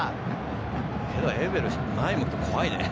エウベルは前を向くと怖いね。